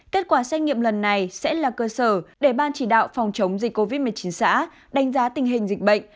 kết quả xét nghiệm lần này sẽ là cơ sở để ban chỉ đạo phòng chống dịch covid một mươi chín xã đánh giá tình hình dịch bệnh